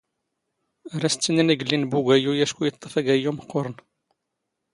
ⴰⵔ ⴰⵙ ⵜⵜⵉⵏⵉⵏ ⵉⴳⵍⵍⵉⵏ ⴱⵓ ⵓⴳⴰⵢⵢⵓ ⴰⵛⴽⵓ ⵉⵟⵟⴰⴼ ⴰⴳⴰⵢⵢⵓ ⵎⵇⵇⵓⵔⵏ.